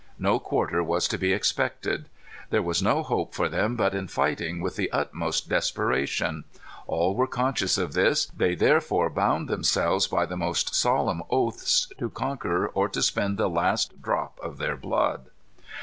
No quarter was to be expected. There was no hope for them but in fighting with the utmost desperation. All were conscious of this. They therefore bound themselves, by the most solemn oaths, to conquer or to spend the last drop of their blood.